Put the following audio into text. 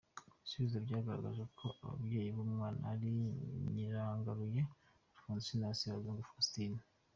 Ibisubizo byagaragaje ko ababyeyi b’umwana ari Nyirangaruye Alphonsine na Sebazungu Faustin.